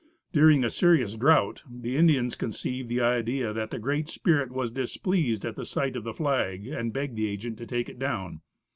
During a serious drought, the Indians conceived the idea that the Great Spirit was displeased at the sight of the flag, and begged the agent to take it down.